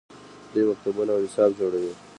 دوی مکتبونه او نصاب جوړوي.